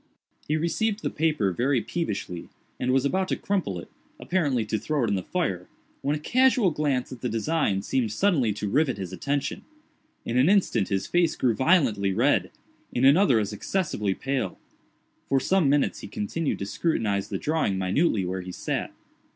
He received the paper very peevishly, and was about to crumple it, apparently to throw it in the fire, when a casual glance at the design seemed suddenly to rivet his attention. In an instant his face grew violently red—in another as excessively pale. For some minutes he continued to scrutinize the drawing minutely where he sat.